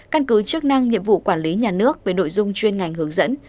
căn cứ chức năng nhiệm vụ quản lý nhà nước với đội dung chuyên ngành hướng dẫn